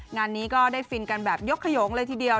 งานนี้ก็ได้ฟินกันแบบยกขยงเลยทีเดียว